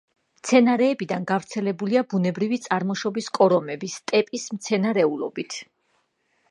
მცენარეებიდან გავრცელებულია ბუნებრივი წარმოშობის კორომები სტეპის მცენარეულობით.